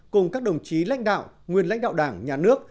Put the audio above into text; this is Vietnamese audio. cùng các đồng chí lãnh đạo nguyên lãnh đạo đảng nhà nước